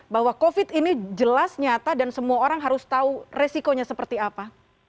bahwa covid ini jelas nyata dan semua orang harus tahu resikonya seperti apa